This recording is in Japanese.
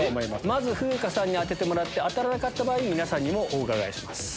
まず風花さんに当ててもらって当たらなかった場合皆さんにもお伺いします。